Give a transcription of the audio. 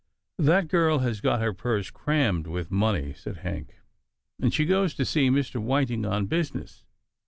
" That girl has got her purse crammed with money," said Hank, " and she goes to see Mr. Whiting on business.